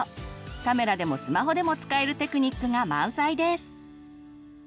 カメラでもスマホでも使えるテクニックが満載です！